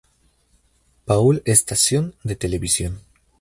Paul estación de televisión.